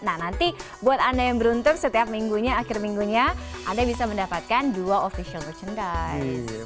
nah nanti buat anda yang beruntung setiap minggunya akhir minggunya anda bisa mendapatkan dua official merchandise